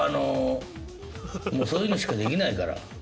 もうそういうのしかできないから。